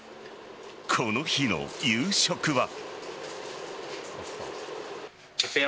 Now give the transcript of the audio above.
この日の夕食は。